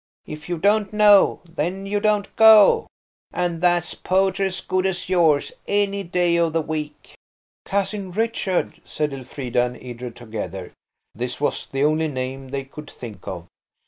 "'If you don't know, Then you don't go.' And that's poetry as good as yours any day of the week." "Cousin Richard," said Elfrida and Edred together. This was the only name they could think of.